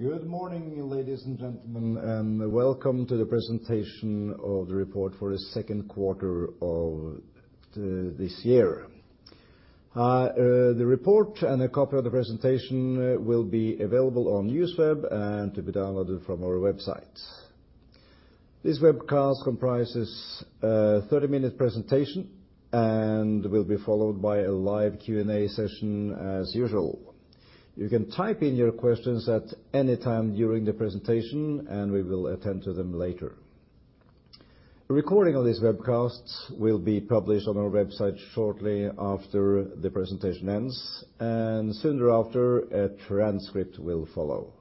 Good morning, ladies and gentlemen, and welcome to the presentation of the report for the second quarter of this year. The report and a copy of the presentation will be available on Newsweb, and to be downloaded from our website. This webcast comprises a 30-minute presentation, and will be followed by a live Q&A session as usual. You can type in your questions at any time during the presentation, and we will attend to them later. A recording of this webcast will be published on our website shortly after the presentation ends, and sooner after, a transcript will follow.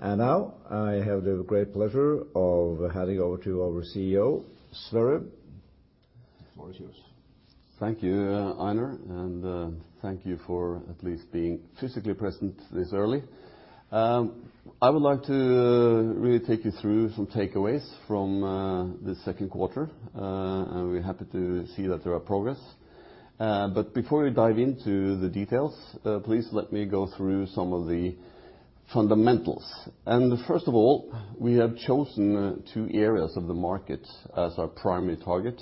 Now, I have the great pleasure of handing over to our CEO, Sverre. The floor is yours. Thank you, Einar, and thank you for at least being physically present this early. I would like to really take you through some takeaways from the second quarter. We're happy to see that there are progress. But before we dive into the details, please let me go through some of the fundamentals. First of all, we have chosen two areas of the market as our primary target.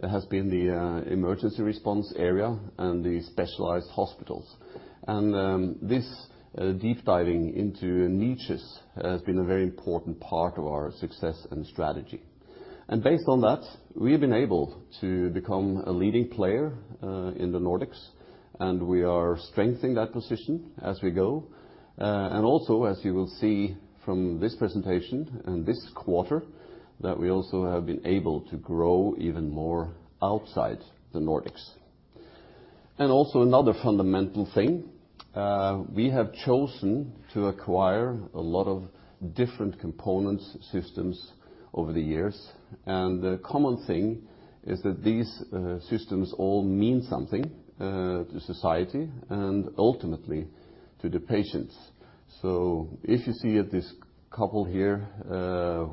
It has been the emergency response area and the specialized hospitals. This deep diving into niches has been a very important part of our success and strategy. Based on that, we've been able to become a leading player in the Nordics, and we are strengthening that position as we go. And also, as you will see from this presentation and this quarter, that we also have been able to grow even more outside the Nordics. And also another fundamental thing, we have chosen to acquire a lot of different components, systems over the years, and the common thing is that these systems all mean something to society, and ultimately, to the patients. So if you see at this couple here,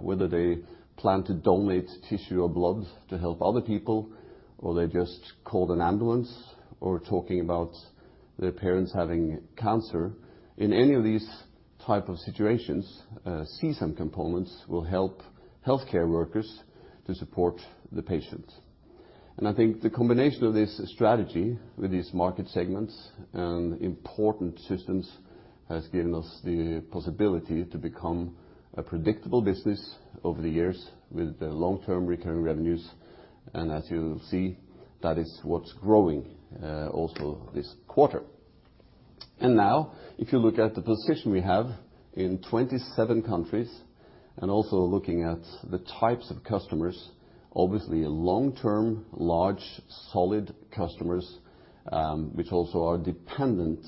whether they plan to donate tissue or blood to help other people, or they just called an ambulance, or talking about their parents having cancer, in any of these type of situations, CSAM components will help healthcare workers to support the patients. I think the combination of this strategy with these market segments and important systems has given us the possibility to become a predictable business over the years with the long-term recurring revenues. As you'll see, that is what's growing also this quarter. Now, if you look at the position we have in 27 countries, and also looking at the types of customers, obviously long-term, large, solid customers, which also are dependent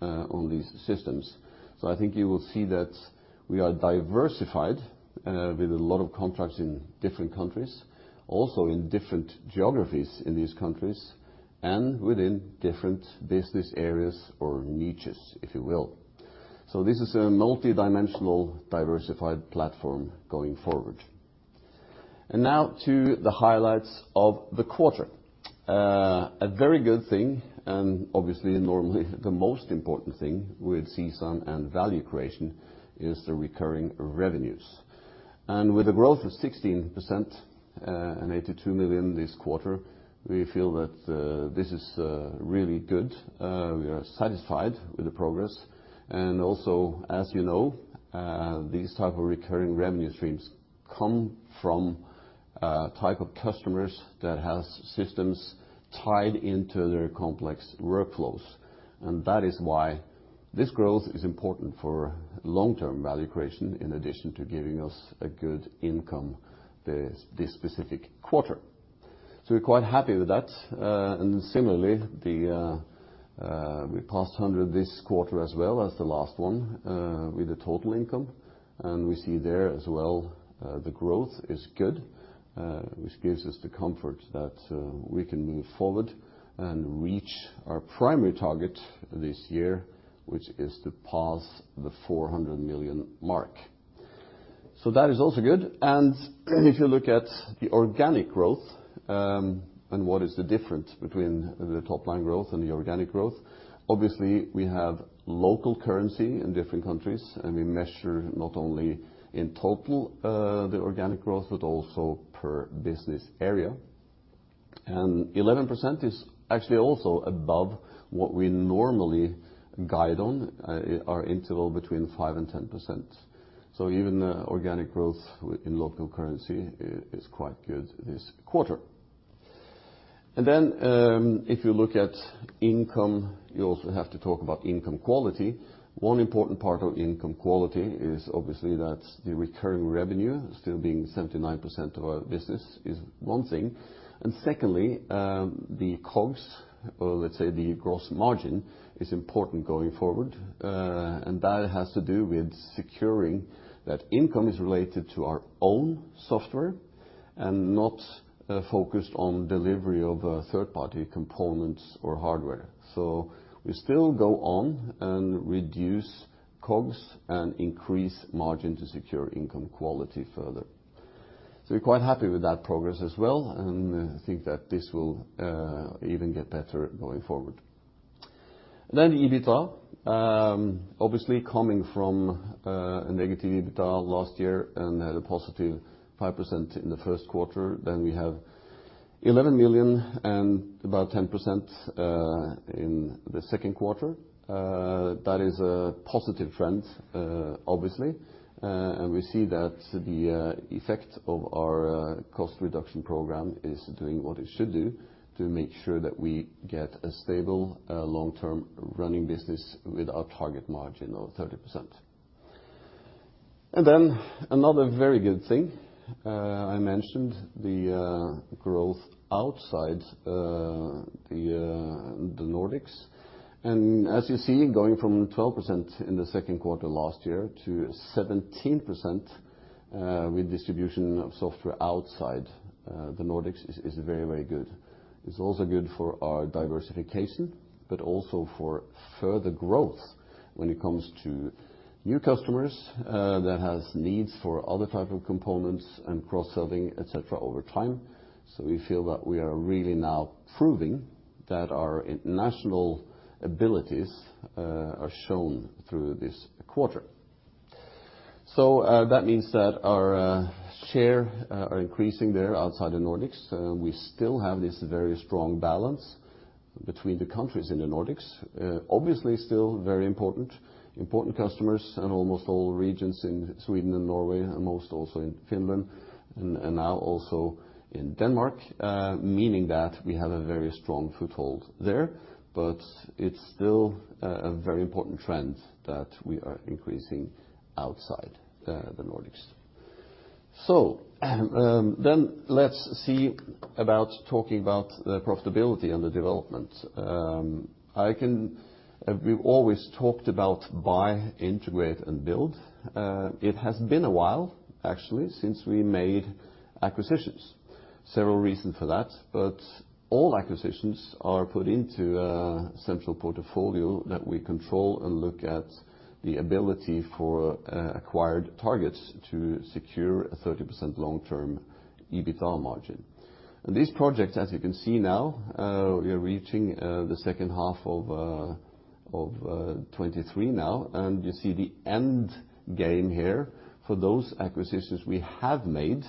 on these systems. So I think you will see that we are diversified with a lot of contracts in different countries, also in different geographies in these countries, and within different business areas or niches, if you will. So this is a multidimensional, diversified platform going forward. Now to the highlights of the quarter. A very good thing, and obviously, normally, the most important thing with CSAM and value creation is the recurring revenues. And with a growth of 16%, and 82 million this quarter, we feel that this is really good. We are satisfied with the progress. And also, as you know, these type of recurring revenue streams come from a type of customers that has systems tied into their complex workflows. And that is why this growth is important for long-term value creation, in addition to giving us a good income this, this specific quarter. So we're quite happy with that. And similarly, we passed 100 million this quarter as well as the last one with the total income, and we see there as well, the growth is good, which gives us the comfort that we can move forward and reach our primary target this year, which is to pass the 400 million mark. So that is also good. And if you look at the organic growth, and what is the difference between the top line growth and the organic growth? Obviously, we have local currency in different countries, and we measure not only in total the organic growth, but also per business area. And 11% is actually also above what we normally guide on our interval between 5%-10%. So even the organic growth in local currency is quite good this quarter. Then, if you look at income, you also have to talk about income quality. One important part of income quality is obviously that the recurring revenue, still being 79% of our business, is one thing. And secondly, the COGS, or let's say the gross margin, is important going forward. And that has to do with securing that income is related to our own software and not focused on delivery of third-party components or hardware. So we still go on and reduce COGS and increase margin to secure income quality further. So we're quite happy with that progress as well, and I think that this will even get better going forward. Then the EBITDA, obviously coming from a negative EBITDA last year and had a positive 5% in the first quarter, then we have 11 million and about 10% in the second quarter. That is a positive trend, obviously, and we see that the effect of our cost reduction program is doing what it should do to make sure that we get a stable, long-term running business with our target margin of 30%. And then another very good thing, I mentioned the growth outside the Nordics. And as you see, going from 12% in the second quarter last year to 17% with distribution of software outside the Nordics is very, very good. It's also good for our diversification, but also for further growth when it comes to new customers that has needs for other type of components and cross-selling, et cetera, over time. So we feel that we are really now proving that our international abilities are shown through this quarter. So, that means that our share are increasing there outside the Nordics. We still have this very strong balance between the countries in the Nordics. Obviously, still very important, important customers in almost all regions in Sweden and Norway, and most also in Finland, and now also in Denmark, meaning that we have a very strong foothold there. But it's still a very important trend that we are increasing outside the Nordics. So, then let's see about talking about the profitability and the development. We've always talked about buy, integrate, and build. It has been a while, actually, since we made acquisitions. Several reasons for that, but all acquisitions are put into a central portfolio that we control and look at the ability for acquired targets to secure a 30% long-term EBITDA margin. And these projects, as you can see now, we are reaching the second half of 2023 now, and you see the end game here for those acquisitions we have made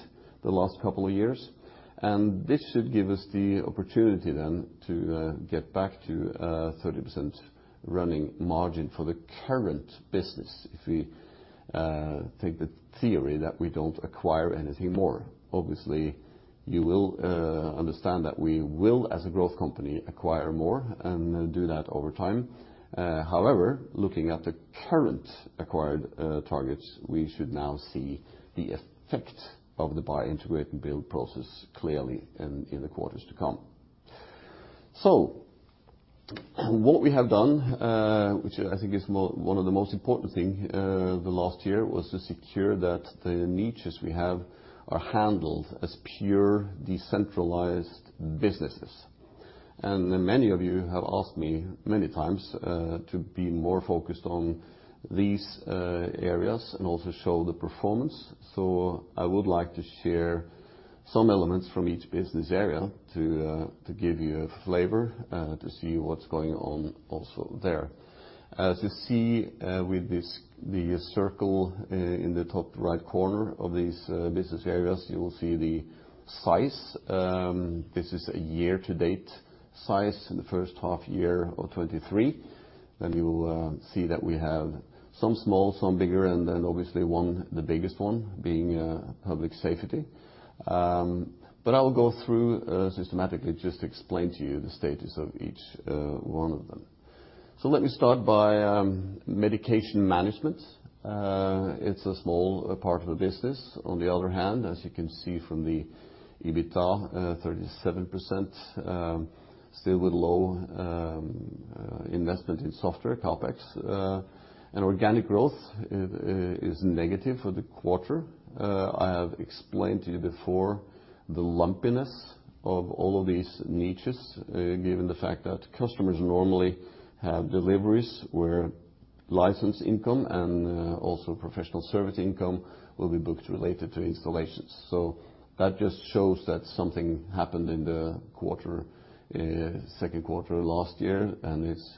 the last couple of years. And this should give us the opportunity then to get back to a 30% running margin for the current business, if we take the theory that we don't acquire anything more. Obviously, you will understand that we will, as a growth company, acquire more and do that over time. However, looking at the current acquired targets, we should now see the effect of the buy, integrate, and build process clearly in the quarters to come. What we have done, which I think is one of the most important thing the last year, was to secure that the niches we have are handled as pure decentralized businesses. Many of you have asked me many times to be more focused on these areas and also show the performance. I would like to share some elements from each business area to give you a flavor to see what's going on also there. As you see, with this, the circle in the top right corner of these business areas, you will see the size. This is a year-to-date size, the first half year of 2023. Then you will see that we have some small, some bigger, and then obviously one, the biggest one being public safety. But I will go through systematically just to explain to you the status of each one of them. So let me start by medication management. It's a small part of the business. On the other hand, as you can see from the EBITDA, 37%, still with low investment in software CapEx, and organic growth is negative for the quarter. I have explained to you before the lumpiness of all of these niches, given the fact that customers normally have deliveries where license income and also professional service income will be booked related to installations. So that just shows that something happened in the quarter, second quarter last year, and it's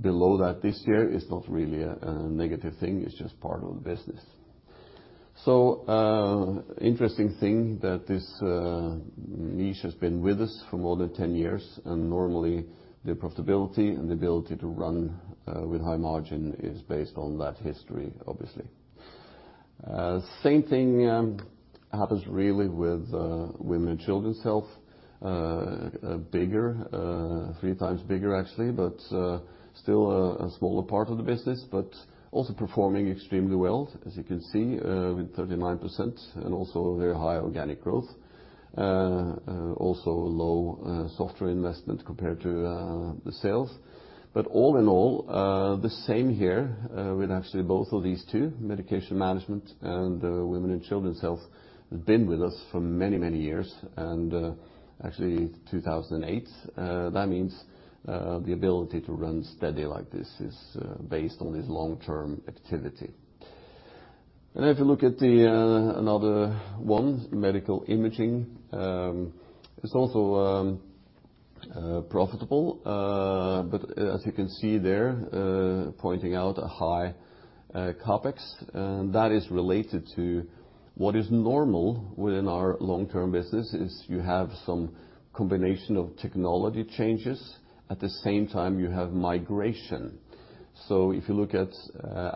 below that this year. It's not really a negative thing, it's just part of the business. So, interesting thing that this niche has been with us for more than 10 years, and normally, the profitability and the ability to run with high margin is based on that history, obviously. Same thing happens really with women and children's health. Bigger, three times bigger, actually, but still a smaller part of the business, but also performing extremely well, as you can see, with 39% and also very high organic growth. Also low software investment compared to the sales. But all in all, the same here, with actually both of these two, medication management and women and children's health, have been with us for many, many years, and actually 2008. That means the ability to run steady like this is based on this long-term activity. And if you look at then another one, medical imaging, it's also profitable. But as you can see there, pointing out a high CapEx, and that is related to what is normal within our long-term business, is you have some combination of technology changes, at the same time you have migration. So if you look at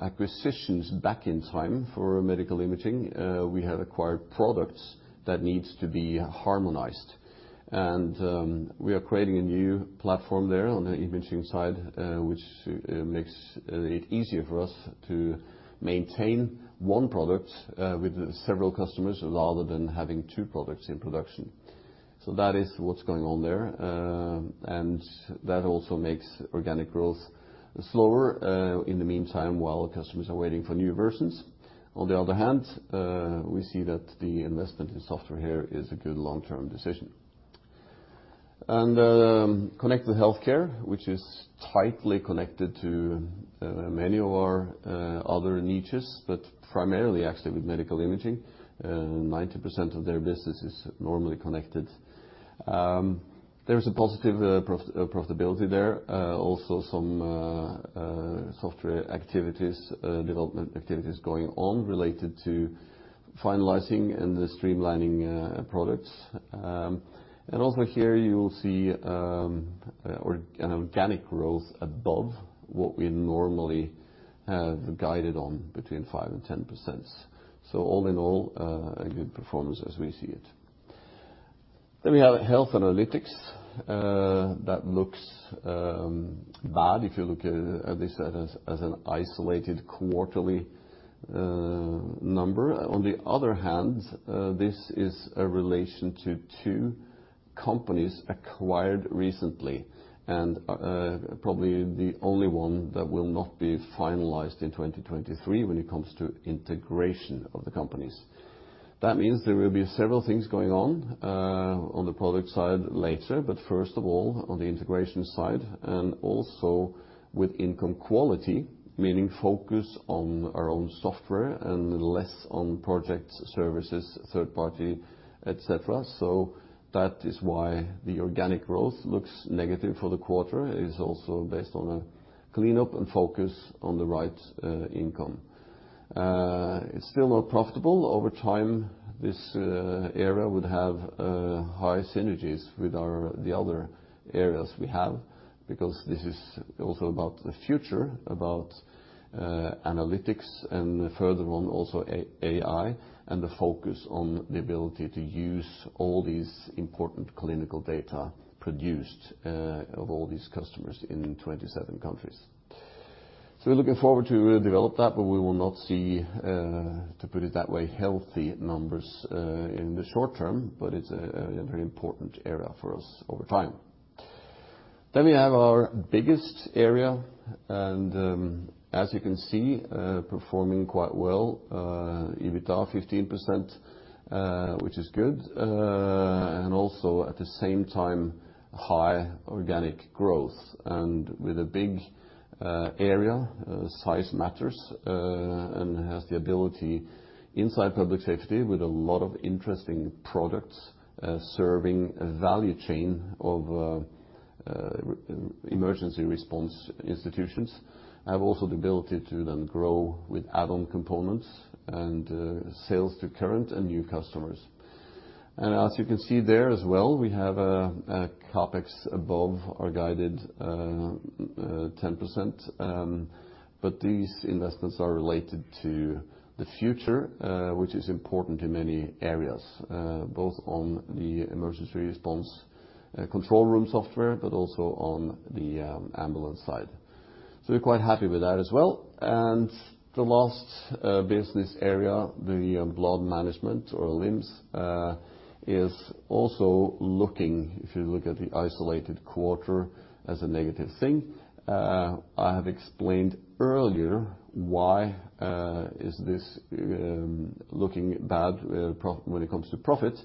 acquisitions back in time for medical imaging, we have acquired products that needs to be harmonized. And we are creating a new platform there on the imaging side, which makes it easier for us to maintain one product with several customers, rather than having two products in production. So that is what's going on there. And that also makes organic growth slower in the meantime, while customers are waiting for new versions. On the other hand, we see that the investment in software here is a good long-term decision. And connected healthcare, which is tightly connected to many of our other niches, but primarily actually with medical imaging, 90% of their business is normally connected. There's a positive profitability there. Also some software activities, development activities going on related to finalizing and the streamlining products. And also here, you will see an organic growth above what we normally have guided on between 5%-10%. So all in all, a good performance as we see it. Then we have health analytics that looks bad if you look at this as an isolated quarterly number. On the other hand, this is a relation to two companies acquired recently, and probably the only one that will not be finalized in 2023 when it comes to integration of the companies. That means there will be several things going on on the product side later, but first of all, on the integration side, and also with income quality, meaning focus on our own software and less on project services, third party, et cetera. So that is why the organic growth looks negative for the quarter. It's also based on a cleanup and focus on the right income. It's still not profitable. Over time, this area would have high synergies with our- the other areas we have, because this is also about the future, about analytics, and further on, also AI, and the focus on the ability to use all these important clinical data produced of all these customers in 27 countries. So we're looking forward to develop that, but we will not see, to put it that way, healthy numbers in the short term, but it's a very important area for us over time. Then we have our biggest area, and as you can see, performing quite well, EBITDA 15%, which is good, and also at the same time, high organic growth. And with a big area, size matters, and has the ability inside public safety with a lot of interesting products, serving a value chain of emergency response institutions, have also the ability to then grow with add-on components and sales to current and new customers. And as you can see there as well, we have a CapEx above our guided 10%, but these investments are related to the future, which is important in many areas, both on the emergency response control room software, but also on the ambulance side. So we're quite happy with that as well. And the last business area, the blood management or LIMS, is also looking, if you look at the isolated quarter, as a negative thing. I have explained earlier why is this looking bad when it comes to profits.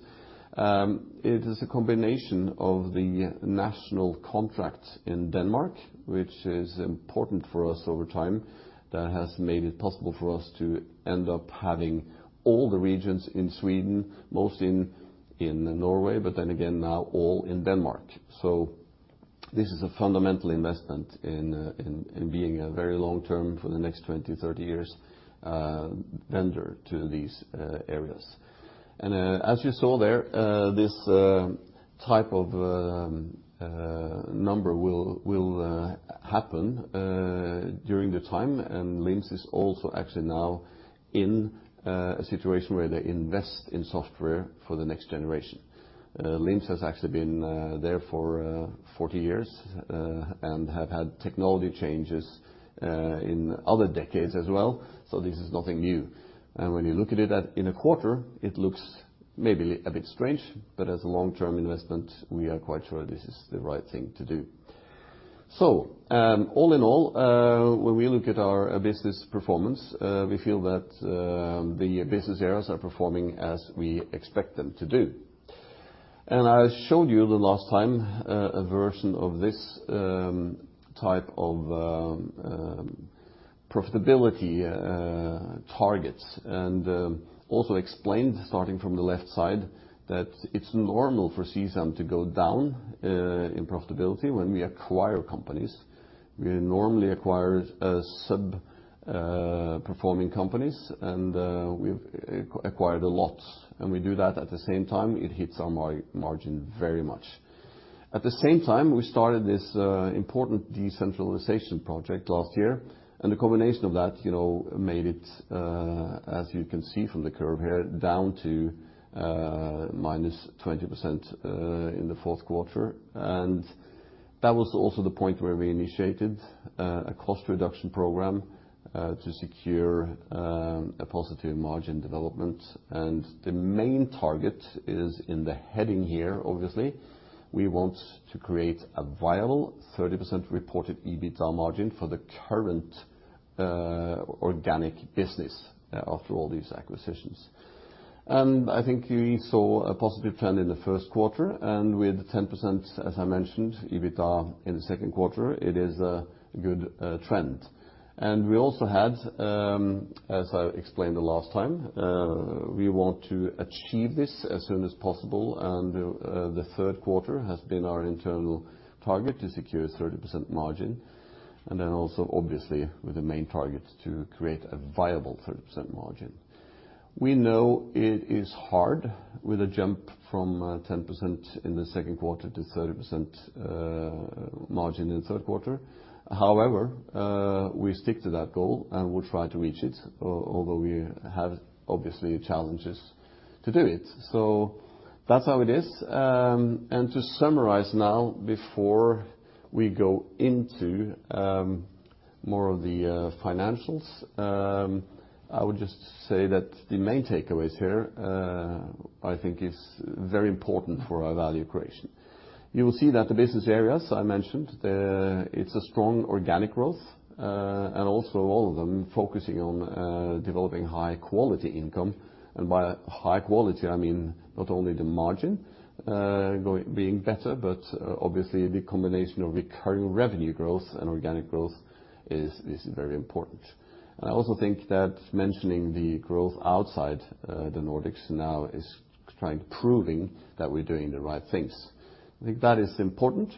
It is a combination of the national contract in Denmark, which is important for us over time, that has made it possible for us to end up having all the regions in Sweden, most in Norway, but then again, now all in Denmark. So this is a fundamental investment in being a very long-term for the next 20, 30 years, vendor to these areas. As you saw there, this type of number will happen during the time, and LIMS is also actually now in a situation where they invest in software for the next generation. LIMS has actually been there for 40 years, and have had technology changes in other decades as well, so this is nothing new. When you look at it in a quarter, it looks maybe a bit strange, but as a long-term investment, we are quite sure this is the right thing to do. So, all in all, when we look at our business performance, we feel that the business areas are performing as we expect them to do. And I showed you the last time a version of this type of profitability targets, and also explained, starting from the left side, that it's normal for CSAM to go down in profitability when we acquire companies. We normally acquire sub-performing companies, and we've acquired a lot. We do that at the same time, it hits on our margin very much. At the same time, we started this important decentralization project last year, and the combination of that, you know, made it, as you can see from the curve here, down to -20% in the fourth quarter. That was also the point where we initiated a cost reduction program to secure a positive margin development. The main target is in the heading here, obviously, we want to create a viable 30% reported EBITDA margin for the current organic business after all these acquisitions. I think you saw a positive trend in the first quarter, and with 10%, as I mentioned, EBITDA in the second quarter, it is a good trend. We also had, as I explained the last time, we want to achieve this as soon as possible, and the third quarter has been our internal target to secure 30% margin, and then also, obviously, with the main target to create a viable 30% margin. We know it is hard with a jump from 10% in the second quarter to 30% margin in the third quarter. However, we stick to that goal, and we'll try to reach it, although we have obviously challenges to do it. So that's how it is. To summarize now before we go into more of the financials, I would just say that the main takeaways here, I think is very important for our value creation. You will see that the business areas I mentioned, it's a strong organic growth, and also all of them focusing on developing high quality income. And by high quality, I mean not only the margin being better, but obviously, the combination of recurring revenue growth and organic growth is very important. And I also think that mentioning the growth outside the Nordics now is kind of proving that we're doing the right things. I think that is important.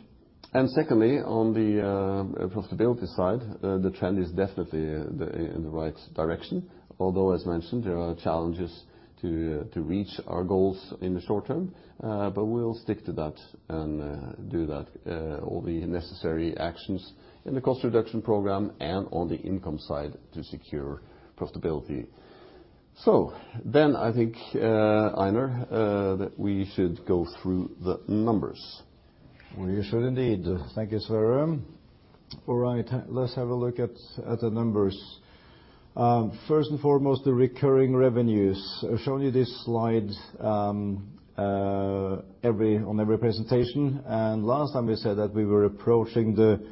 And secondly, on the profitability side, the trend is definitely in the right direction. Although, as mentioned, there are challenges to reach our goals in the short term, but we'll stick to that and do all the necessary actions in the cost reduction program and on the income side to secure profitability. I think, Einar, that we should go through the numbers. We should indeed. Thank you, Sverre. All right, let's have a look at the numbers. First and foremost, the recurring revenues. I've shown you this slide on every presentation, and last time we said that we were approaching the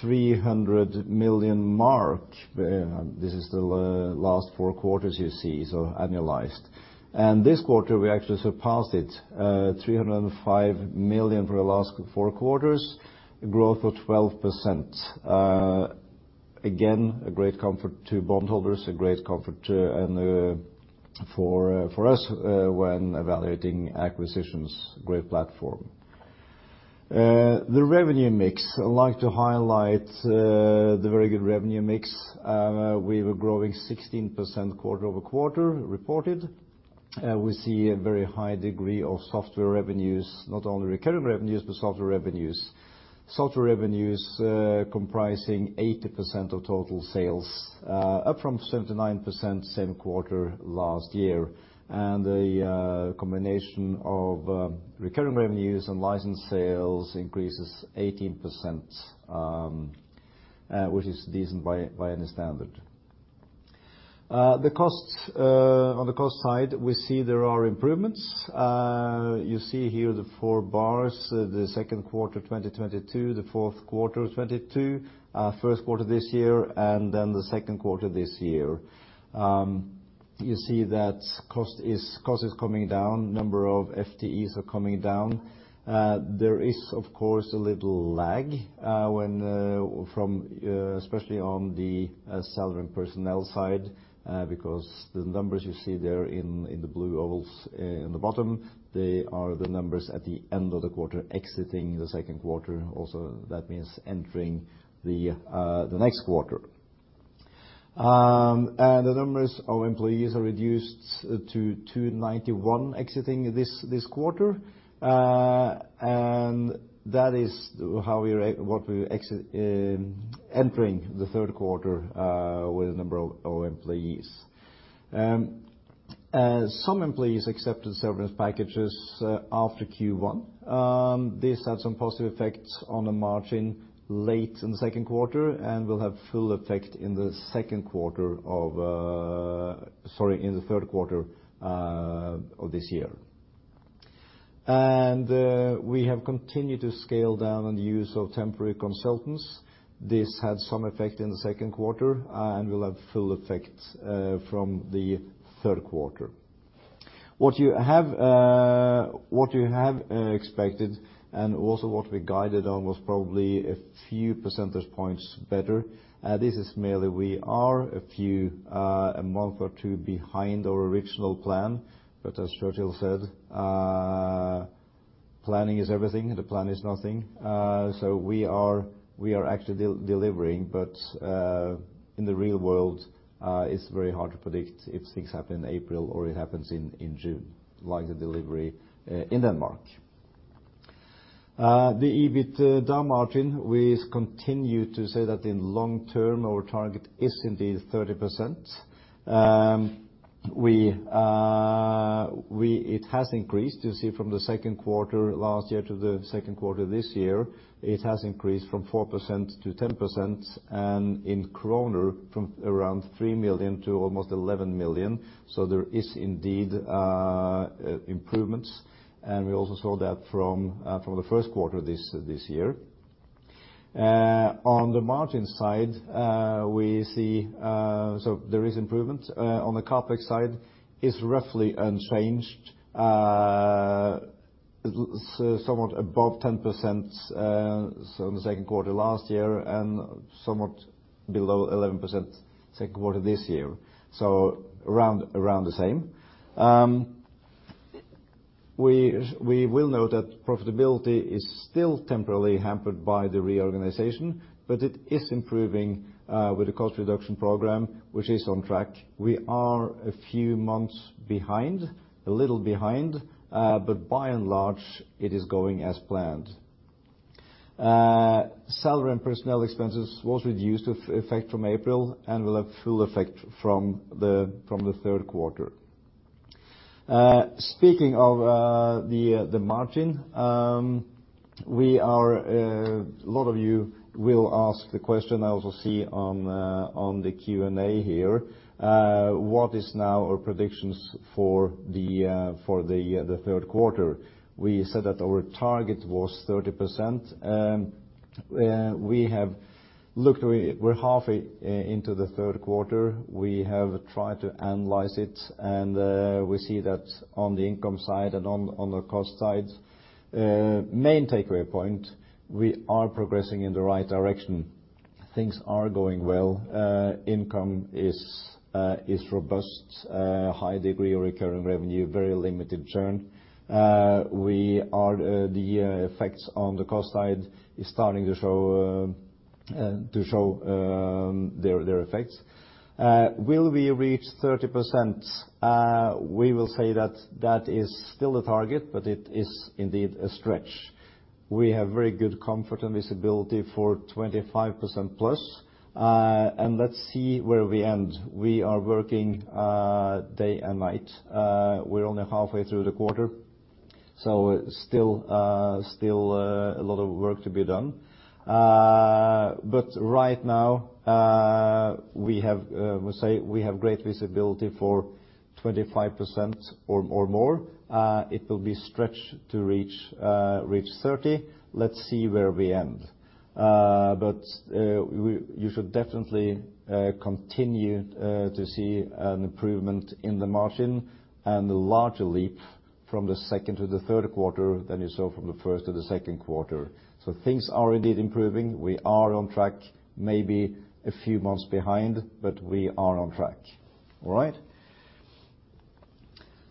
300 million mark. This is the last four quarters you see, so annualized. And this quarter, we actually surpassed it, 305 million for the last four quarters, a growth of 12%. Again, a great comfort to bondholders, a great comfort, and for us when evaluating acquisitions, great platform. The revenue mix. I'd like to highlight the very good revenue mix. We were growing 16% quarter-over-quarter reported. We see a very high degree of software revenues, not only recurring revenues, but software revenues. Software revenues, comprising 80% of total sales, up from 79% same quarter last year. The combination of recurring revenues and license sales increases 18%, which is decent by any standard. The costs, on the cost side, we see there are improvements. You see here the four bars, the second quarter 2022, the fourth quarter 2022, first quarter this year, and then the second quarter this year. You see that cost is coming down, number of FTEs are coming down. There is, of course, a little lag when from especially on the salary and personnel side, because the numbers you see there in the blue ovals in the bottom, they are the numbers at the end of the quarter, exiting the second quarter. Also, that means entering the next quarter. The numbers of employees are reduced to 291 exiting this quarter, and that is how we exit. Entering the third quarter with the number of employees. Some employees accepted severance packages after Q1. This had some positive effects on the margin late in the second quarter and will have full effect in the third quarter of this year. We have continued to scale down on the use of temporary consultants. This had some effect in the second quarter and will have full effect from the third quarter. What you have expected and also what we guided on was probably a few percentage points better. This is merely we are a few, a month or two behind our original plan. But as Churchill said, "Planning is everything, the plan is nothing." So we are actually delivering, but in the real world, it's very hard to predict if things happen in April or it happens in June, like the delivery in Denmark. The EBITDA margin, we continue to say that in long term our target is indeed 30%. It has increased, you see from the second quarter last year to the second quarter this year, it has increased from 4%-10%, and in kroner from around 3 million to almost 11 million. So there is indeed improvements, and we also saw that from the first quarter this year. On the margin side, we see, so there is improvement. On the CapEx side, it's roughly unchanged. Somewhat above 10%, so in the second quarter last year, and somewhat below 11% second quarter this year, so around the same. We will note that profitability is still temporarily hampered by the reorganization, but it is improving with the cost reduction program, which is on track. We are a few months behind, a little behind, but by and large, it is going as planned. Salary and personnel expenses was reduced, effect from April, and will have full effect from the third quarter. Speaking of the margin, we are. A lot of you will ask the question. I also see on the Q&A here what is now our predictions for the third quarter? We said that our target was 30%, and we have looked. We're halfway into the third quarter. We have tried to analyze it, and we see that on the income side and on the cost side, main takeaway point, we are progressing in the right direction. Things are going well. Income is robust, high degree of recurring revenue, very limited churn. We are, the effects on the cost side is starting to show their effects. Will we reach 30%? We will say that that is still the target, but it is indeed a stretch. We have very good comfort and visibility for 25% plus, and let's see where we end. We are working day and night. We're only halfway through the quarter, so still a lot of work to be done. But right now, we say we have great visibility for 25% or more. It will be stretched to reach 30%. Let's see where we end. But you should definitely continue to see an improvement in the margin and a larger leap from the second to the third quarter than you saw from the first to the second quarter. So things are indeed improving. We are on track, maybe a few months behind, but we are on track. All right?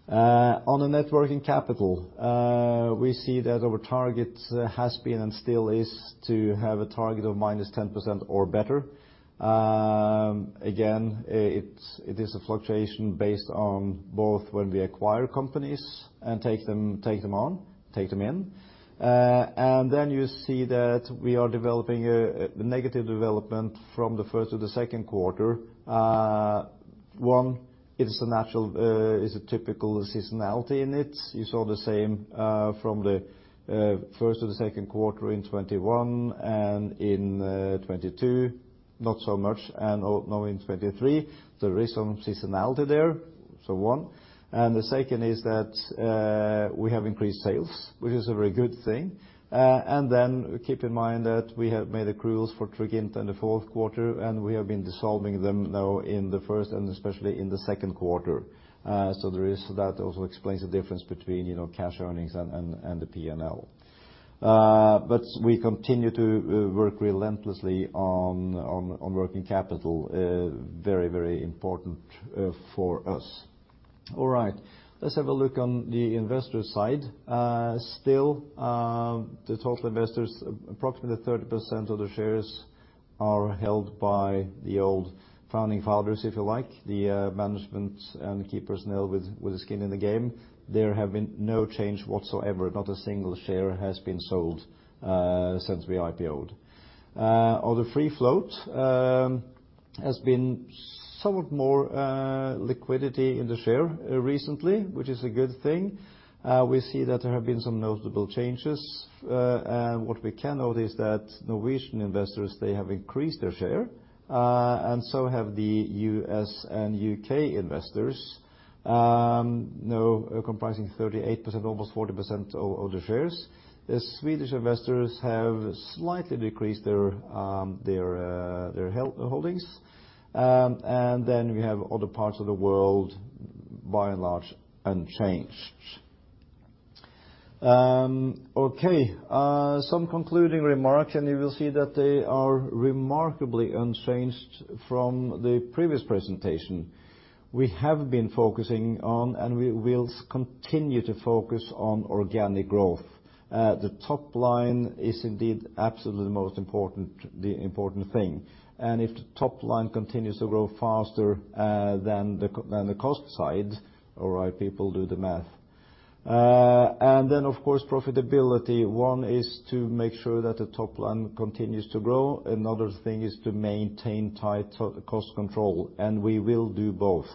On the Net Working Capital, we see that our target has been and still is to have a target of -10% or better. It is a fluctuation based on both when we acquire companies and take them on, take them in. And then you see that we are developing the negative development from the first to the second quarter. One, it is a natural, it's a typical seasonality in it. You saw the same from the first to the second quarter in 2021 and in 2022, not so much, and now in 2023. There is some seasonality there, so one. And the second is that we have increased sales, which is a very good thing. And then keep in mind that we have made accruals for Triginta in the fourth quarter, and we have been dissolving them now in the first and especially in the second quarter. So there is, that also explains the difference between, you know, cash earnings and the P&L. But we continue to work relentlessly on working capital. Very, very important for us. All right. Let's have a look on the investor side. Still, the total investors, approximately 30% of the shares are held by the old founding fathers, if you like, the management and key personnel with skin in the game. There have been no change whatsoever. Not a single share has been sold since we IPO'd. On the free float, has been somewhat more liquidity in the share recently, which is a good thing. We see that there have been some notable changes, and what we can note is that Norwegian investors, they have increased their share, and so have the U.S. and U.K. investors. Now comprising 38%, almost 40% of the shares. The Swedish investors have slightly decreased their holdings. And then we have other parts of the world, by and large, unchanged. Okay, some concluding remarks, and you will see that they are remarkably unchanged from the previous presentation. We have been focusing on, and we will continue to focus on organic growth. The top line is indeed absolutely the most important, the important thing, and if the top line continues to grow faster than the cost side, all right, people, do the math. And then, of course, profitability. One is to make sure that the top line continues to grow. Another thing is to maintain tight cost control, and we will do both.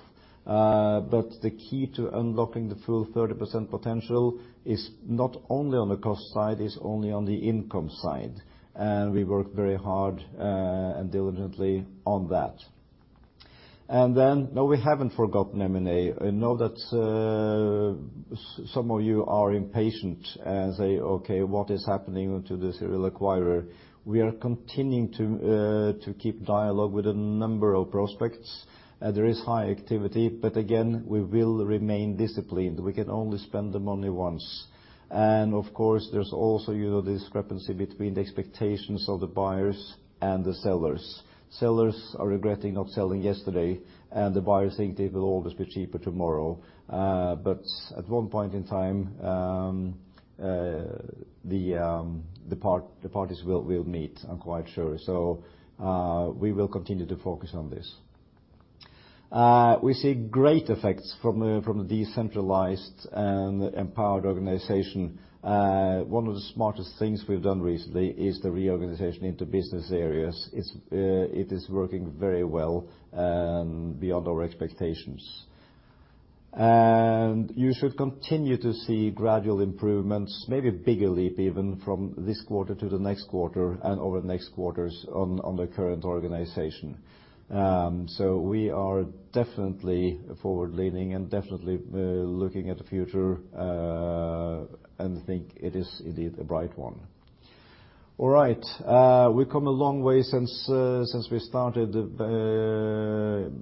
But the key to unlocking the full 30% potential is not only on the cost side, it's only on the income side, and we work very hard and diligently on that. And then, no, we haven't forgotten M&A. I know that some of you are impatient and say, "Okay, what is happening to the serial acquirer?" We are continuing to keep dialogue with a number of prospects, and there is high activity, but again, we will remain disciplined. We can only spend the money once. And of course, there's also, you know, the discrepancy between the expectations of the buyers and the sellers. Sellers are regretting not selling yesterday, and the buyers think they will always be cheaper tomorrow. But at one point in time, the parties will meet, I'm quite sure. So, we will continue to focus on this. We see great effects from the decentralized and empowered organization. One of the smartest things we've done recently is the reorganization into business areas. It is working very well and beyond our expectations. And you should continue to see gradual improvements, maybe a bigger leap even from this quarter to the next quarter and over the next quarters on the current organization. So we are definitely forward-leaning and definitely looking at the future and think it is indeed a bright one. All right. We've come a long way since since we started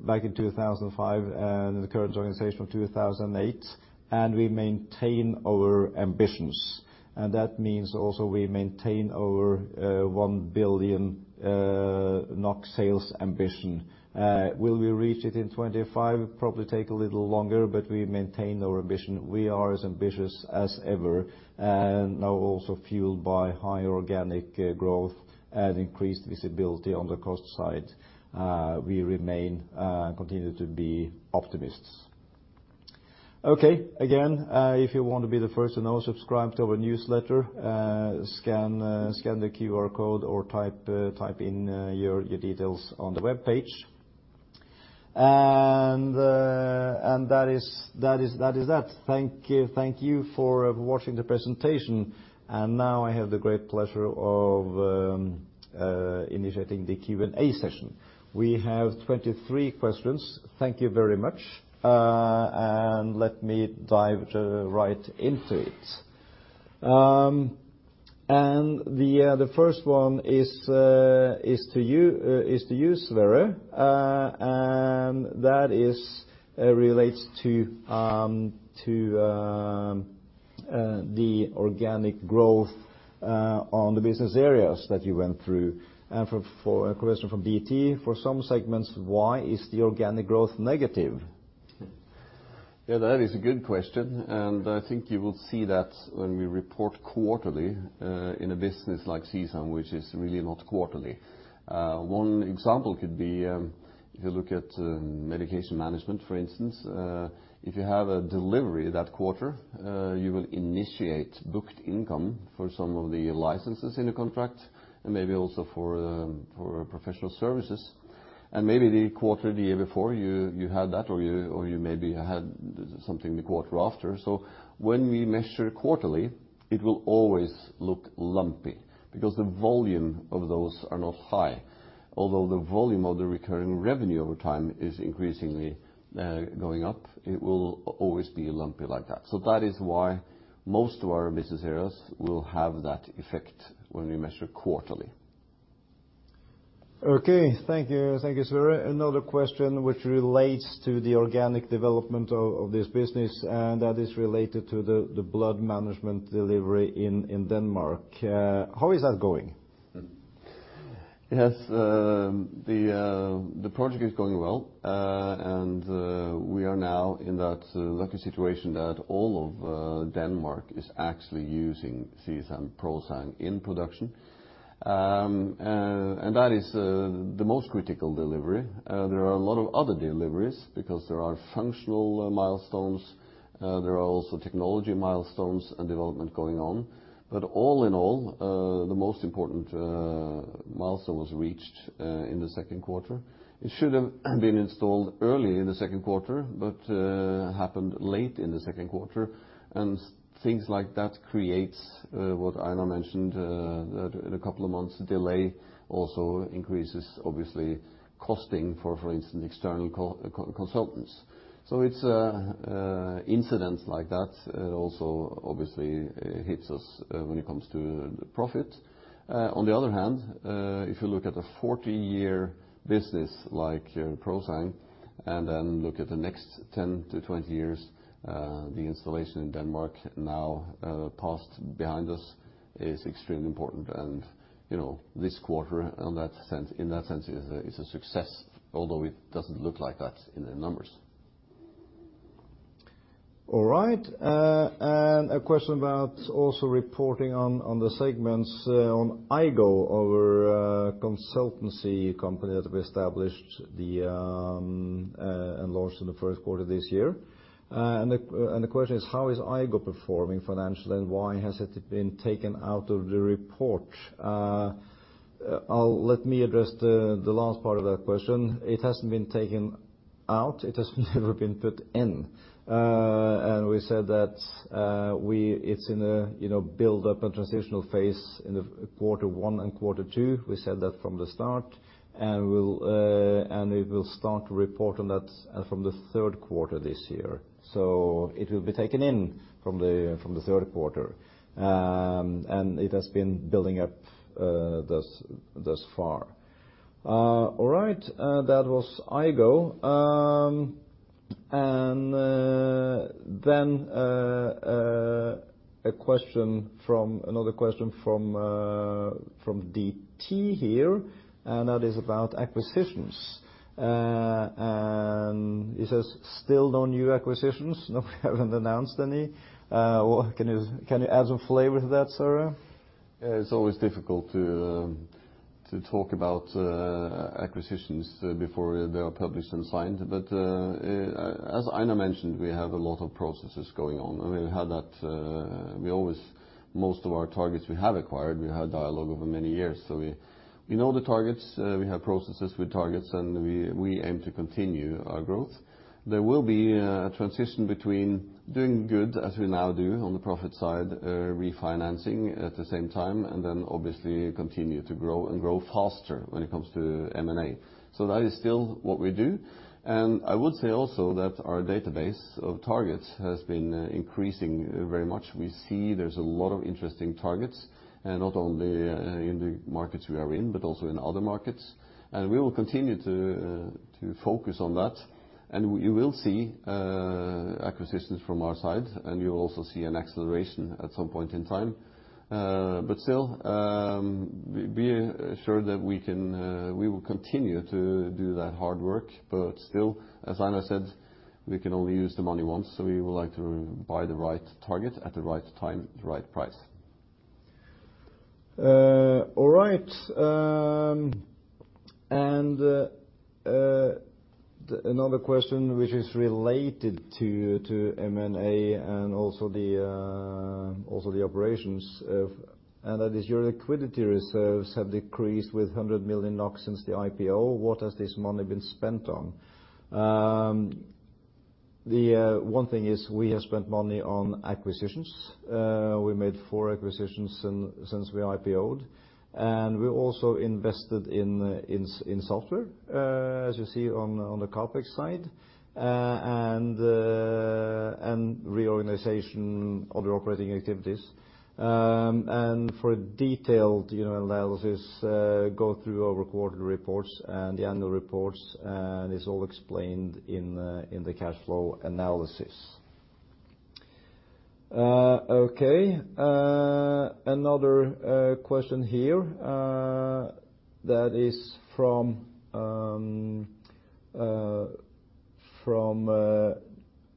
back in 2005, and the current organization of 2008, and we maintain our ambitions, and that means also we maintain our one billion NOK sales ambition. Will we reach it in 2025? Probably take a little longer, but we maintain our ambition. We are as ambitious as ever, and now also fueled by higher organic growth and increased visibility on the cost side. We remain and continue to be optimists. Okay, again, if you want to be the first to know, subscribe to our newsletter, scan the QR code, or type in your details on the web page. And that is that. Thank you. Thank you for watching the presentation, and now I have the great pleasure of initiating the Q&A session. We have 23 questions. Thank you very much. And let me dive right into it. And the first one is to you, Sverre, and that relates to the organic growth on the business areas that you went through. And for a question from BT: "For some segments, why is the organic growth negative? Yeah, that is a good question, and I think you will see that when we report quarterly, in a business like CSAM, which is really not quarterly. One example could be, if you look at, medication management, for instance, if you have a delivery that quarter, you will initiate booked income for some of the licenses in the contract and maybe also for professional services. And maybe the quarter the year before, you had that, or you maybe had something the quarter after. So when we measure quarterly, it will always look lumpy because the volume of those are not high. Although the volume of the recurring revenue over time is increasingly going up, it will always be lumpy like that. So that is why most of our business areas will have that effect when we measure quarterly. Okay. Thank you. Thank you, Sverre. Another question which relates to the organic development of this business, and that is related to the blood management delivery in Denmark. How is that going? Yes, the project is going well, and we are now in that lucky situation that all of Denmark is actually using CSAM ProSang in production. And that is the most critical delivery. There are a lot of other deliveries because there are functional milestones, there are also technology milestones and development going on. But all in all, the most important milestone was reached in the second quarter. It should have been installed early in the second quarter, but happened late in the second quarter, and things like that creates what Einar mentioned, that in a couple of months, delay also increases, obviously, costing, for instance, external consultants. So it's incidents like that also obviously hits us when it comes to the profit. On the other hand, if you look at a 40-year business like ProCYON, and then look at the next 10-20 years, the installation in Denmark now, passed behind us, is extremely important. You know, this quarter, in that sense, is a success, although it doesn't look like that in the numbers. All right, and a question about also reporting on the segments on iGo, our consultancy company that we established and launched in the first quarter of this year. And the question is: How is iGo performing financially, and why has it been taken out of the report? Let me address the last part of that question. It hasn't been taken out. It has never been put in. And we said that it's in a, you know, build-up and transitional phase in quarter one and quarter two. We said that from the start, and we will start to report on that from the third quarter this year. So it will be taken in from the third quarter. And it has been building up thus far. All right, that was iGo. And then a question from another question from DT here, and that is about acquisitions. And he says, "Still no new acquisitions?" No, we haven't announced any. Well, can you add some flavor to that, Sverre? Yeah, it's always difficult to talk about acquisitions before they are published and signed. But as Einar mentioned, we have a lot of processes going on, and we had that we always, most of our targets we have acquired, we had dialogue over many years. So we know the targets, we have processes with targets, and we aim to continue our growth. There will be a transition between doing good, as we now do on the profit side, refinancing at the same time, and then obviously continue to grow and grow faster when it comes to M&A. So that is still what we do. And I would say also that our database of targets has been increasing very much. We see there's a lot of interesting targets, and not only in the markets we are in, but also in other markets. And we will continue to focus on that, and you will see acquisitions from our side, and you'll also see an acceleration at some point in time. But still, be assured that we can, we will continue to do that hard work. But still, as Einar said, we can only use the money once, so we would like to buy the right target at the right time, the right price. All right. Another question which is related to M&A and also the operations of, and that is your liquidity reserves have decreased with 100 million NOK since the IPO. What has this money been spent on? One thing is we have spent money on acquisitions. We made four acquisitions since we IPO'd, and we also invested in software, as you see on the CapEx side, and reorganization of our operating activities. For a detailed, you know, analysis, go through our quarterly reports and the annual reports, and it's all explained in the cash flow analysis. Okay, another question here, that is from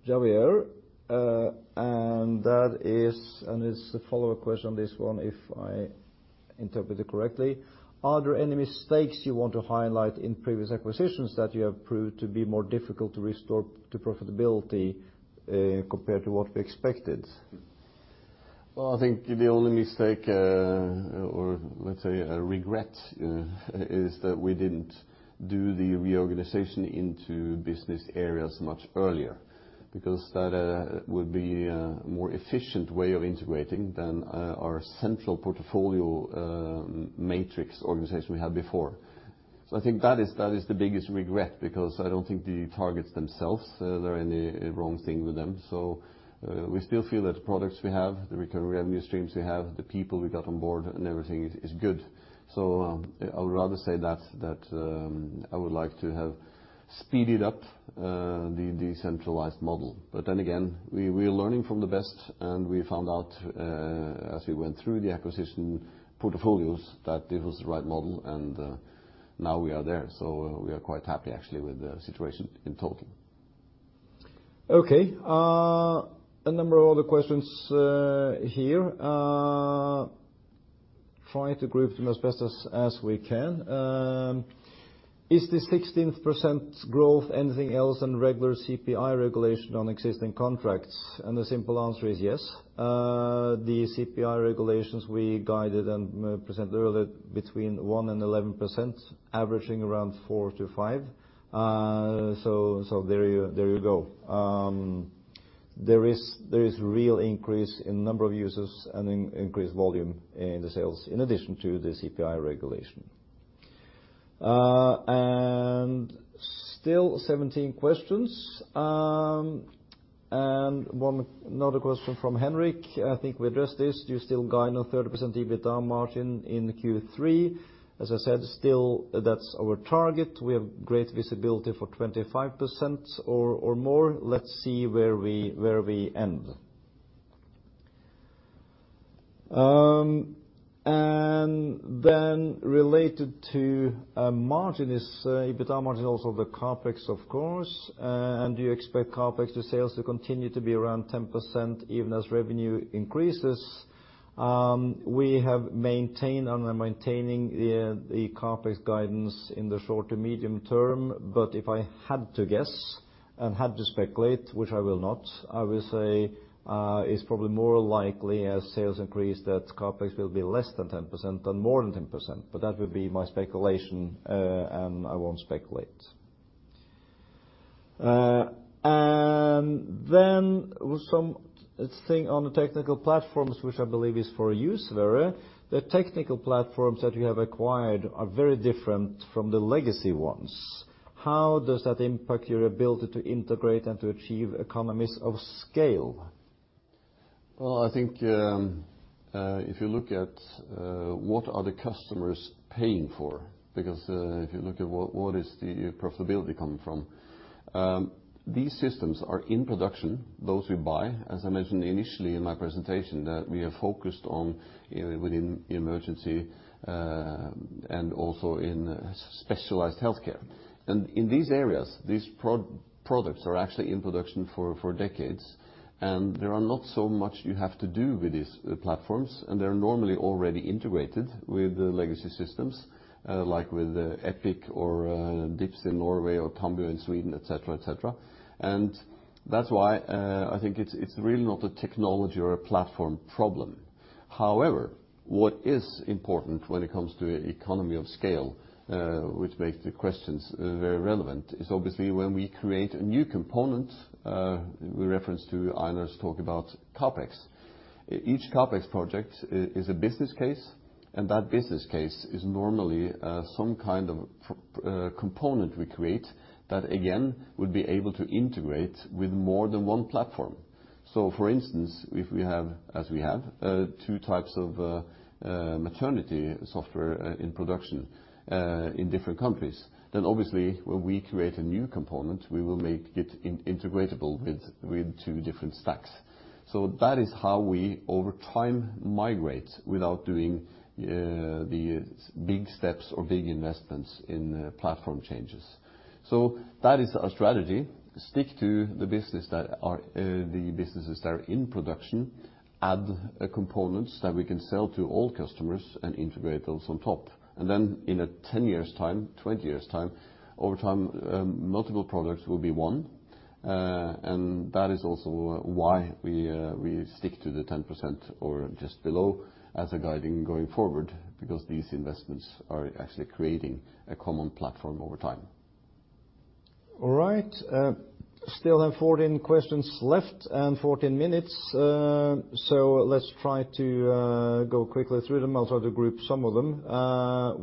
Javier, and that is. It's a follow-up question, this one, if I interpret it correctly: "Are there any mistakes you want to highlight in previous acquisitions that you have proved to be more difficult to restore to profitability, compared to what we expected? Well, I think the only mistake, or let's say a regret, is that we didn't do the reorganization into business areas much earlier, because that would be a more efficient way of integrating than our central portfolio matrix organization we had before. So I think that is the biggest regret, because I don't think the targets themselves, there are any wrong thing with them. So we still feel that the products we have, the recurring revenue streams we have, the people we got on board and everything is good. So I would rather say that I would like to have speeded up the decentralized model. But then again, we are learning from the best, and we found out, as we went through the acquisition portfolios, that it was the right model, and now we are there. So we are quite happy, actually, with the situation in total. Okay, a number of other questions here. Try to group them as best as we can. Is this 16% growth anything else than regular CPI regulation on existing contracts? The simple answer is yes. The CPI regulations we guided and presented earlier between 1% and 11%, averaging around 4%-5%. So there you go. There is real increase in number of users and in increased volume in the sales, in addition to the CPI regulation. And still 17 questions. Another question from Henrik, I think we addressed this: "Do you still guide on 30% EBITDA margin in Q3?" As I said, still, that's our target. We have great visibility for 25% or more. Let's see where we end. And then related to margin is EBITDA margin, also the CapEx, of course. And do you expect CapEx to sales to continue to be around 10% even as revenue increases? We have maintained and are maintaining the CapEx guidance in the short to medium term, but if I had to guess and had to speculate, which I will not, I will say, it's probably more likely as sales increase, that CapEx will be less than 10% than more than 10%, but that would be my speculation, and I won't speculate. And then with something on the technical platforms, which I believe is for you, Sverre. The technical platforms that you have acquired are very different from the legacy ones. How does that impact your ability to integrate and to achieve economies of scale? Well, I think, if you look at what are the customers paying for? Because if you look at what is the profitability coming from, these systems are in production, those we buy. As I mentioned initially in my presentation, that we are focused on within emergency and also in specialized healthcare. And in these areas, these products are actually in production for decades, and there are not so much you have to do with these platforms, and they're normally already integrated with the legacy systems like with Epic or DIPS in Norway or Tambo in Sweden, et cetera, et cetera. And that's why I think it's really not a technology or a platform problem. However, what is important when it comes to economy of scale, which makes the questions very relevant, is obviously when we create a new component, we reference to Einar's talk about CapEx. Each CapEx project is a business case, and that business case is normally some kind of component we create that, again, would be able to integrate with more than one platform. So for instance, if we have, as we have, two types of maternity software in production in different countries, then obviously when we create a new component, we will make it integratable with two different stacks. So that is how we, over time, migrate without doing the big steps or big investments in platform changes. So that is our strategy: stick to the business that are, the businesses that are in production, add components that we can sell to all customers and integrate those on top. And then in a 10 years' time, 20 years' time, over time, multiple products will be one. And that is also why we, we stick to the 10% or just below as a guiding going forward, because these investments are actually creating a common platform over time. All right. Still have 14 questions left and 14 minutes, so let's try to go quickly through them. I'll try to group some of them.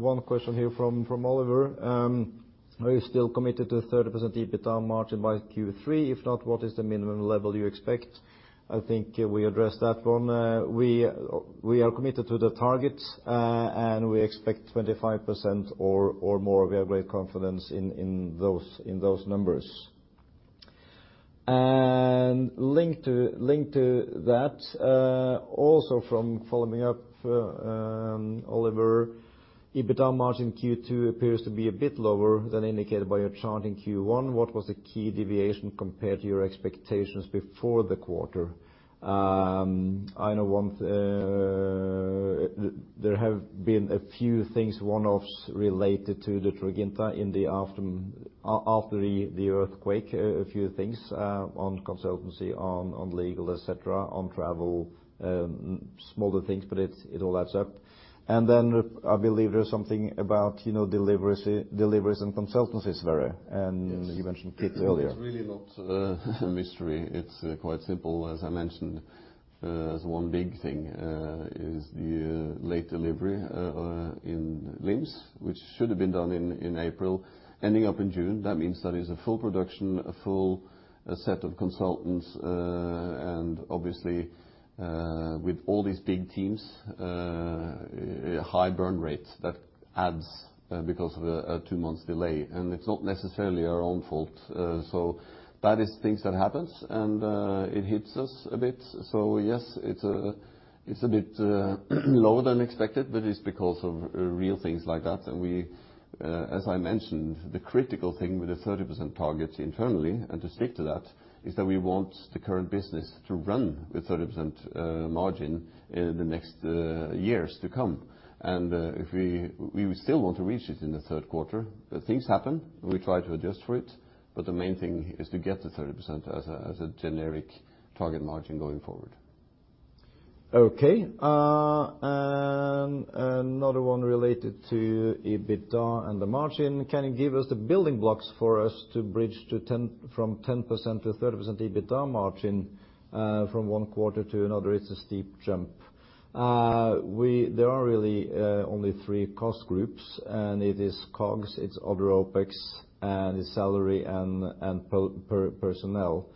One question here from Oliver: Are you still committed to a 30% EBITDA margin by Q3? If not, what is the minimum level you expect? I think we addressed that one. We are committed to the target, and we expect 25% or more. We have great confidence in those numbers. And linked to that, also from Oliver following up, EBITDA margin Q2 appears to be a bit lower than indicated by your chart in Q1. What was the key deviation compared to your expectations before the quarter? I know one. There have been a few things, one-offs related to the Triginta in the after, after the earthquake. A few things on consultancy, on legal, et cetera, on travel, smaller things, but it all adds up. And then I believe there's something about, you know, deliveries, deliveries and consultancies, Sverre, and- Yes. You mentioned it earlier. It's really not a mystery. It's quite simple. As I mentioned, there's one big thing is the late delivery in LIMS, which should have been done in April, ending up in June. That means that is a full production, a full set of consultants, and obviously, with all these big teams, a high burn rate that adds because of a two-month delay, and it's not necessarily our own fault. So that is things that happens, and it hits us a bit. So yes, it's a bit lower than expected, but it's because of real things like that. We, as I mentioned, the critical thing with the 30% target internally, and to stick to that, is that we want the current business to run with 30% margin in the next years to come. And, if we still want to reach it in the third quarter, but things happen, and we try to adjust for it, but the main thing is to get to 30% as a, as a generic target margin going forward. Okay. And another one related to EBITDA and the margin: Can you give us the building blocks for us to bridge from 10% to 30% EBITDA margin? From one quarter to another, it's a steep jump. There are really only three cost groups, and it is COGS, it's other OpEx, and it's salary and personnel.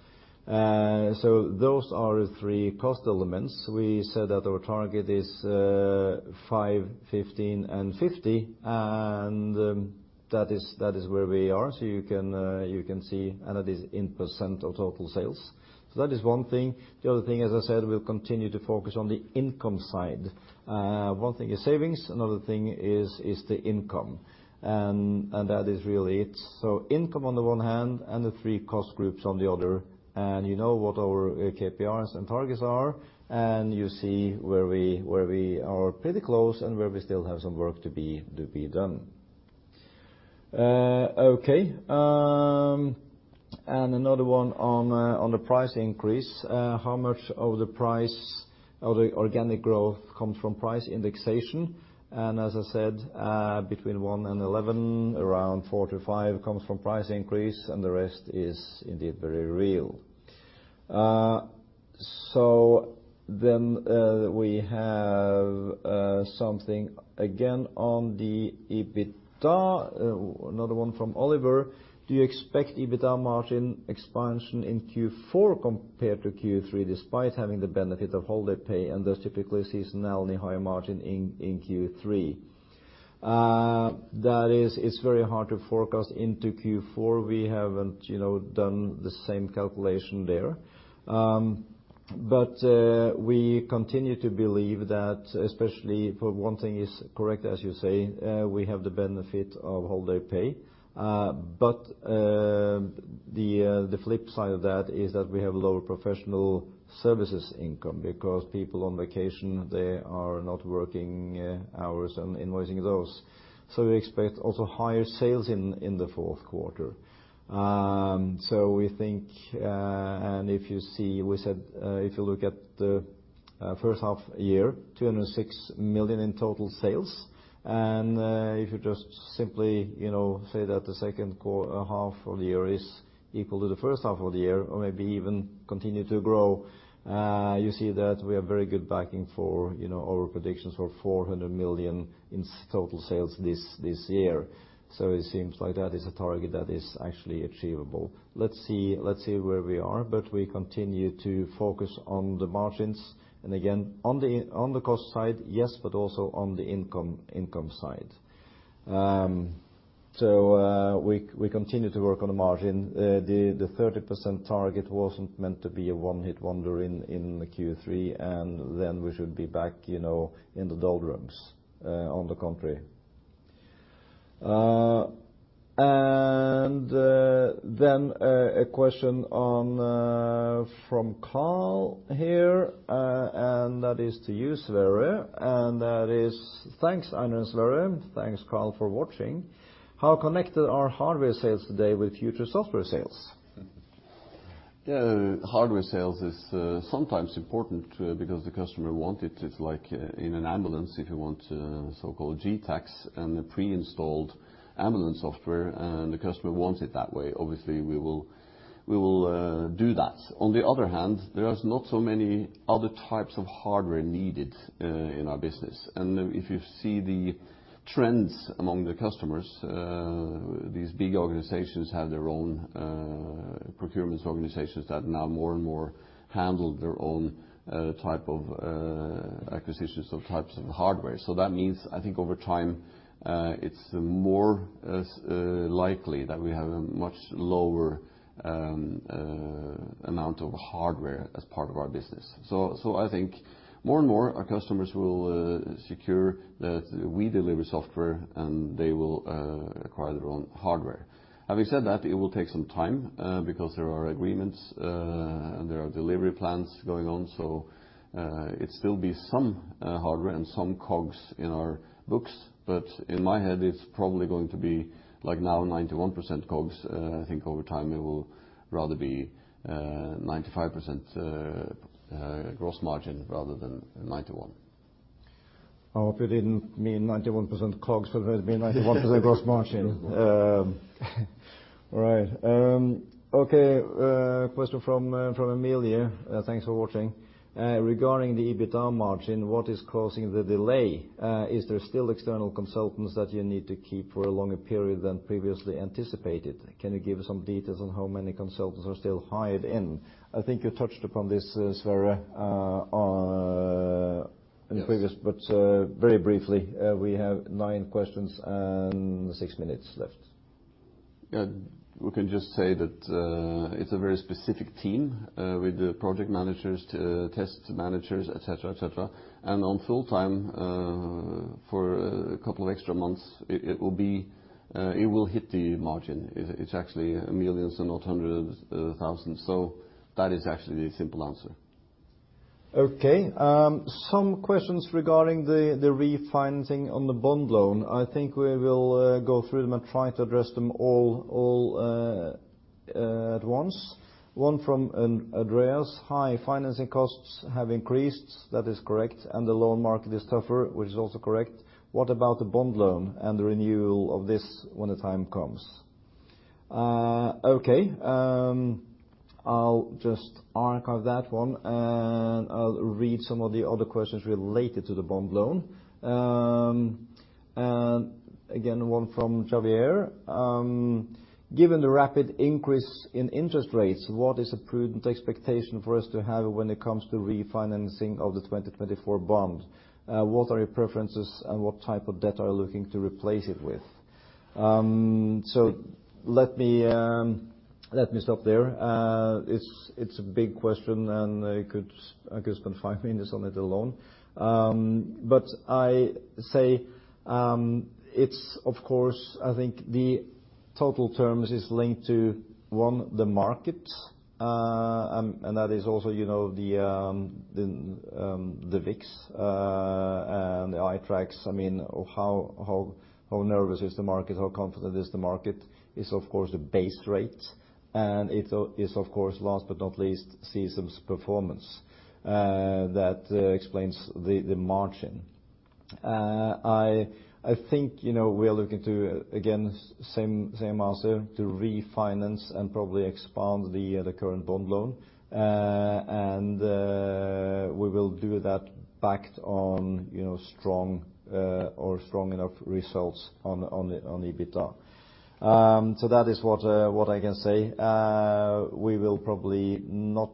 So those are the three cost elements. We said that our target is 5%, 15%, and 50%, and that is where we are. So you can see, and it is in % of total sales. So that is one thing. The other thing, as I said, we'll continue to focus on the income side. One thing is savings, another thing is the income, and that is really it. So income on the one hand, and the three cost groups on the other, and you know what our KPIs and targets are, and you see where we, where we are pretty close and where we still have some work to be, to be done. Okay, and another one on the price increase. How much of the price of the organic growth comes from price indexation? And as I said, between one and 11, around four-five comes from price increase, and the rest is indeed very real. So then, we have something again on the EBITDA, another one from Oliver: Do you expect EBITDA margin expansion in Q4 compared to Q3, despite having the benefit of holiday pay, and there's typically seasonally higher margin in Q3? It's very hard to forecast into Q4. We haven't, you know, done the same calculation there. But, we continue to believe that especially for one thing is correct, as you say, we have the benefit of holiday pay. But, the flip side of that is that we have lower professional services income, because people on vacation, they are not working, hours and invoicing those. So we expect also higher sales in the fourth quarter. So we think, and if you see, we said, if you look at the first half year, 206 million in total sales, and if you just simply, you know, say that the second half of the year is equal to the first half of the year, or maybe even continue to grow, you see that we have very good backing for, you know, our predictions for 400 million in total sales this year. So it seems like that is a target that is actually achievable. Let's see where we are, but we continue to focus on the margins, and again, on the cost side, yes, but also on the income side. So we continue to work on the margin. The 30% target wasn't meant to be a one-hit wonder in the Q3, and then we should be back, you know, in the doldrums, on the contrary. A question from Carl here, and that is to you, Sverre, and that is: "Thanks, Einar and Sverre," thanks, Carl, for watching. "How connected are hardware sales today with future software sales? Yeah, hardware sales is sometimes important because the customer want it. It's like in an ambulance, if you want so-called Getac and the pre-installed ambulance software, and the customer wants it that way, obviously, we will do that. On the other hand, there is not so many other types of hardware needed in our business. And if you see the trends among the customers, these big organizations have their own procurement organizations that now more and more handle their own type of acquisitions of types of hardware. So that means, I think over time, it's more likely that we have a much lower amount of hardware as part of our business. So, I think more and more our customers will secure that we deliver software, and they will acquire their own hardware. Having said that, it will take some time, because there are agreements, and there are delivery plans going on, so, it still be some hardware and some COGS in our books, but in my head, it's probably going to be like now 91% COGS. I think over time it will rather be 95% gross margin rather than 91. I hope you didn't mean 91% COGS, but rather 91% gross margin. All right. Okay, question from Amelia, thanks for watching. "Regarding the EBITDA margin, what is causing the delay? Is there still external consultants that you need to keep for a longer period than previously anticipated? Can you give some details on how many consultants are still hired in?" I think you touched upon this, Sverre. Yes In previous, but very briefly, we have nine questions and six minutes left. Yeah. We can just say that, it's a very specific team with the project managers, to test managers, et cetera, et cetera. And on full time for a couple of extra months, it will be, it will hit the margin. It's actually millions and not hundreds of thousands, so that is actually the simple answer. Okay, some questions regarding the refinancing on the bond loan. I think we will go through them and try to address them all at once. One from Andreas: "Hi, financing costs have increased," that is correct, "and the loan market is tougher," which is also correct. "What about the bond loan and the renewal of this when the time comes?" Okay, I'll just archive that one, and I'll read some of the other questions related to the bond loan. And again, one from Javier: "Given the rapid increase in interest rates, what is a prudent expectation for us to have when it comes to refinancing of the 2024 bond? What are your preferences, and what type of debt are you looking to replace it with?" Let me stop there. It's a big question, and I could spend five minutes on it alone. But I say, it's of course, I think the total terms is linked to, one, the market. And that is also, you know, the VIX, and the iTraX. I mean, how nervous is the market? How confident is the market? It's, of course, the base rate, and it's of course, last but not least, CSAM's performance, that explains the margin. I think, you know, we are looking to, again, same answer, to refinance and probably expand the current bond loan. And we will do that based on, you know, strong or strong enough results on EBITDA. So that is what I can say. We will probably not,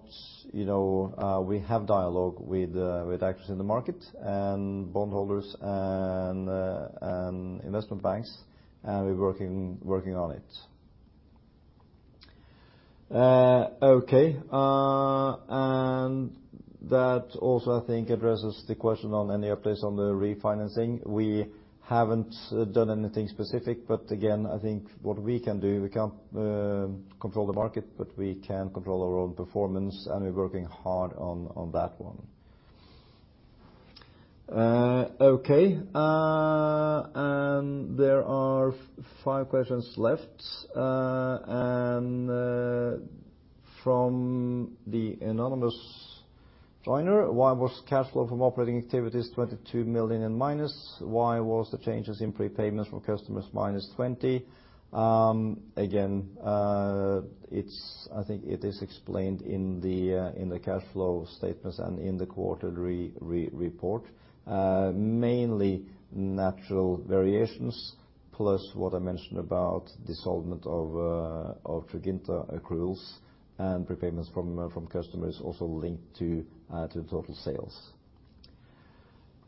you know. We have dialogue with actors in the market, and bondholders, and investment banks, and we're working on it. Okay, and that also, I think, addresses the question on any updates on the refinancing. We haven't done anything specific, but again, I think what we can do, we can't control the market, but we can control our own performance, and we're working hard on that one. Okay, and there are five questions left. And from the anonymous joiner: "Why was cash flow from operating activities -22 million? Why was the changes in prepayments from customers -20 million?" Again, it's. I think it is explained in the cash flow statements and in the quarterly report. Mainly natural variations, plus what I mentioned about dissolvement of Triginta accruals and prepayments from customers also linked to total sales.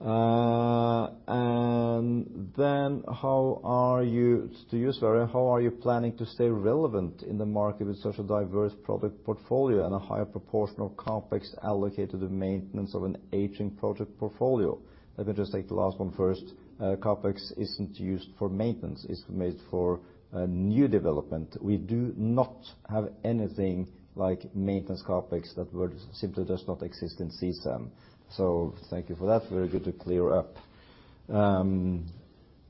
And then, "How are you?" To you, Sverre: "How are you planning to stay relevant in the market with such a diverse product portfolio and a higher proportion of CapEx allocated to maintenance of an aging product portfolio?" Let me just take the last one first. CapEx isn't used for maintenance. It's made for new development. We do not have anything like maintenance CapEx. That word simply does not exist in CSAM. So thank you for that. Very good to clear up.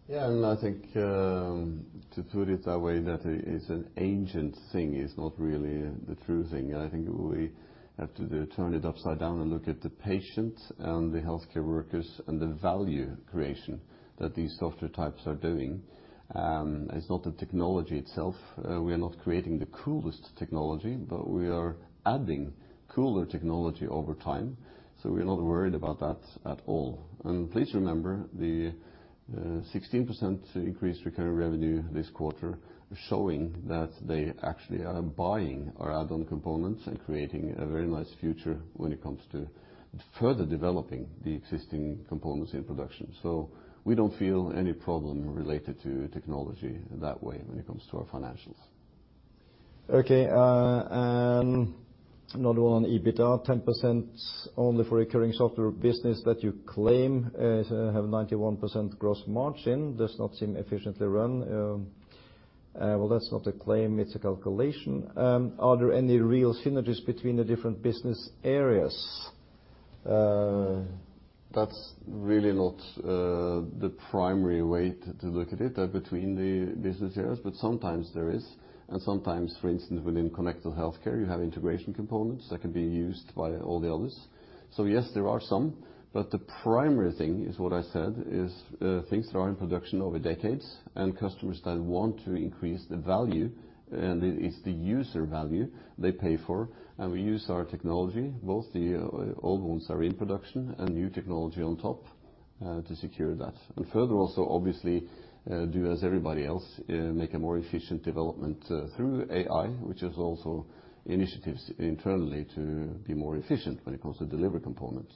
Yeah, and I think, to put it that way, that it's an ancient thing is not really the true thing. I think we have to turn it upside down and look at the patient and the healthcare workers and the value creation that these software types are doing. It's not the technology itself. We are not creating the coolest technology, but we are adding cooler technology over time, so we are not worried about that at all. Please remember the 16% increase recurring revenue this quarter showing that they actually are buying our add-on components and creating a very nice future when it comes to further developing the existing components in production. So we don't feel any problem related to technology in that way when it comes to our financials. Okay, and another one on EBITDA: "10% only for recurring software business that you claim have 91% gross margin, does not seem efficiently run." Well, that's not a claim; it's a calculation. "Are there any real synergies between the different business areas? That's really not the primary way to look at it between the business areas, but sometimes there is, and sometimes, for instance, within connected healthcare, you have integration components that can be used by all the others. So yes, there are some, but the primary thing is what I said, is things that are in production over decades and customers that want to increase the value, and it's the user value they pay for. And we use our technology, both the old ones are in production and new technology on top to secure that. And further also, obviously, do as everybody else make a more efficient development through AI, which is also initiatives internally to be more efficient when it comes to delivery components.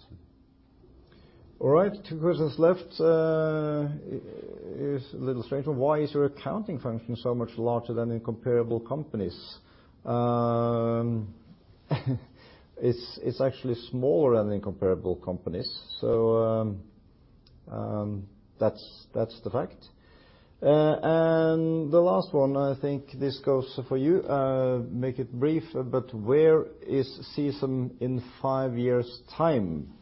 All right, two questions left. It's a little strange one: "Why is your accounting function so much larger than in comparable companies?" It's actually smaller than in comparable companies, so that's the fact. And the last one, I think this goes for you. Make it brief, but "Where is CSAM in five years' time?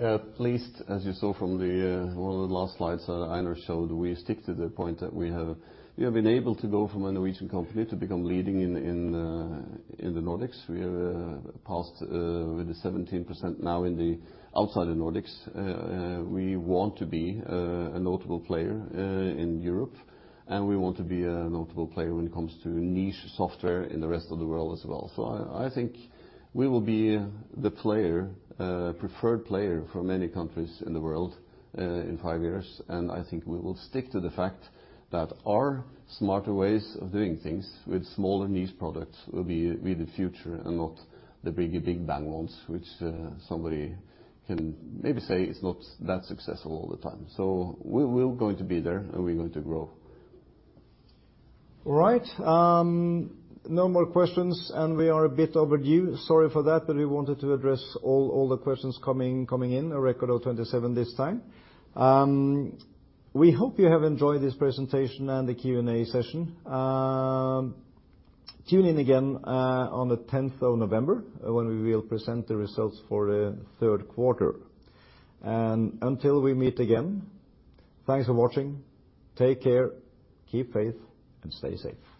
At least as you saw from the one of the last slides that Einar showed, we stick to the point that we have, we have been able to go from a Norwegian company to become leading in in the Nordics. We are passed with the 17% now in the outside the Nordics. We want to be a notable player in Europe, and we want to be a notable player when it comes to niche software in the rest of the world as well. So I I think we will be the player preferred player for many countries in the world in five years. I think we will stick to the fact that our smarter ways of doing things with smaller niche products will be the future and not the big, big bang ones, which somebody can maybe say is not that successful all the time. So we're going to be there, and we're going to grow. All right, no more questions, and we are a bit overdue. Sorry for that, but we wanted to address all the questions coming in, a record of 27 this time. We hope you have enjoyed this presentation and the Q&A session. Tune in again on the tenth of November when we will present the results for the third quarter. And until we meet again, thanks for watching. Take care, keep faith, and stay safe.